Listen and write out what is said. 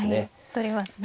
取りますね。